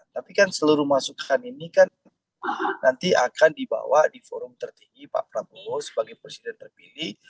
tapi kan seluruh masukan ini kan nanti akan dibawa di forum tertinggi pak prabowo sebagai presiden terpilih